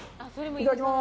いただきます。